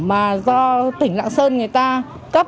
mà do tỉnh lạng sơn người ta cấp